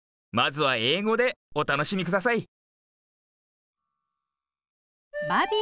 まずはえいごでおたのしみください。